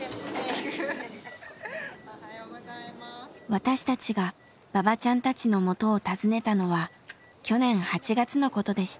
私たちがばばちゃんたちの元を訪ねたのは去年８月のことでした。